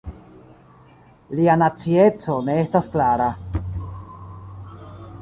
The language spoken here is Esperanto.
Lia nacieco ne estas klara.